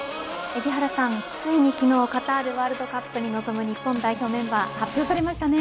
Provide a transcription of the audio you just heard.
海老原さん、ついに昨日カタールワールドカップに臨む日本代表メンバー発表されましたね。